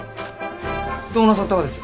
どうなさったがです？